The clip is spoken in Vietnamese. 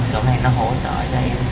chỗ này nó hỗ trợ cho em